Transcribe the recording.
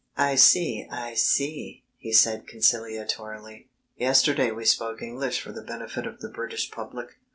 "I see, I see," he said conciliatorily. "Yesterday we spoke English for the benefit of the British public.